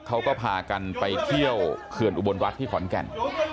เขาก็พากันไปเที่ยวเขื่อนอุบลรัฐที่ขอนแก่น